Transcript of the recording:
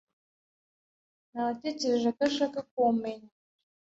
Nawetekereje ko ashaka kumenya.